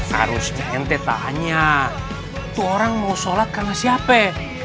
harusnya ente tanya itu orang mau sholat karena siapa